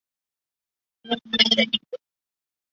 歌词竞赛进行的同时举行了歌谱竞赛。